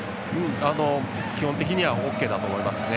基本的にはオーケーだと思いますね。